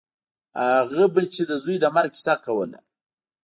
هغه به چې د زوى د مرګ کيسه کوله.